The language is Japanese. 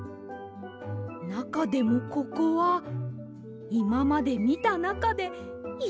なかでもここはいままでみたなかでいちばんよさそうです！